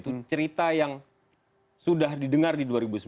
itu cerita yang sudah didengar di dua ribu sembilan belas